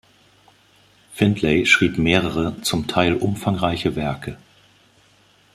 Findlay schrieb mehrere, zum Teil umfangreiche Werke.